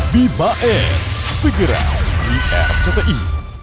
bibae segera di rti